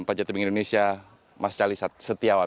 panjat tebing indonesia mas cali setiawan